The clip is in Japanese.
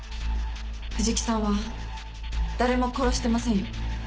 藤木さんは誰も殺してませんよ。